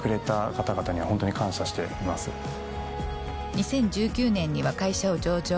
２０１９年には会社を上場。